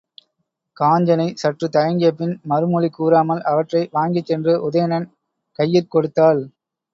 காஞ்சனை சற்றுத் தயங்கியபின் மறுமொழி கூறாமல் அவற்றை வாங்கிச்சென்று உதயணன் கையிற் கொடுத்தாள்.